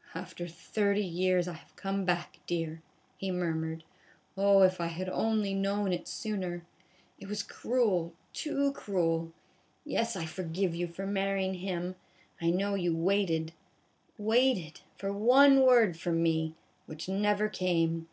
" After thirty years 1 1 have come back, dear," he murmured. " Oh, if I had only known it sooner ! It was cruel, too cruel ! Yes, I forgive you for marryin' him 1 I know you waited waited for one word from me, which never came."